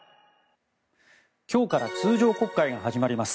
今日から通常国会が始まります。